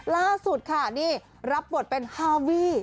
ล่าสุดค่ะนี่รับบทเป็นฮาวี่